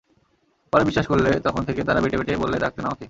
পরে বিশ্বাস করলে তখন থেকে তাঁরা বেঁটে বেঁটে বলে ডাকতেন আমাকে।